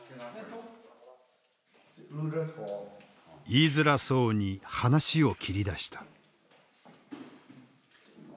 言いづらそうに話を切り出した。